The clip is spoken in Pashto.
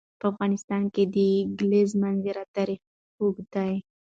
په افغانستان کې د د کلیزو منظره تاریخ اوږد دی.